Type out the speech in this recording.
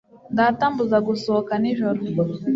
Data ambuza gusohoka nijoro.